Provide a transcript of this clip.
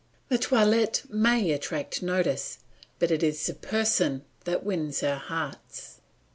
The toilet may attract notice, but it is the person that wins our hearts.